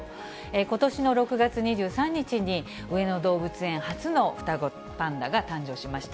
ことしの６月２３日に、上野動物園初の双子パンダが誕生しました。